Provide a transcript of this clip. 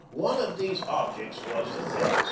One of these objects was the "Thetis."